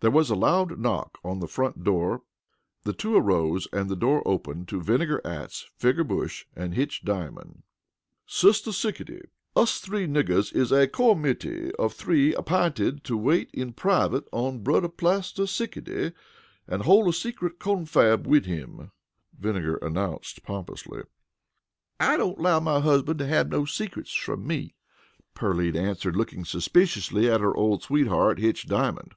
There was a loud knock on the front door. The two arose and the door opened to Vinegar Atts, Figger Bush, and Hitch Diamond. "Sister Sickety, us three niggers is a cormittee of three app'inted to wait in privut on Brudder Plaster Sickety an' hol' a secret confab wid him," Vinegar announced pompously. "I don't allow my husbunt to hab no secrets from me," Pearline answered looking suspiciously at her old sweetheart, Hitch Diamond.